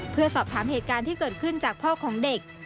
เพื่อสอบถามเหตุการณ์ที่เกิดขึ้นจากพ่อของเด็ก